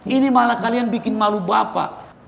ini malah kalian bikin malu bapak